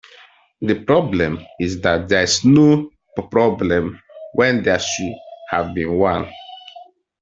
The problem is that there is no problem when there should have been one.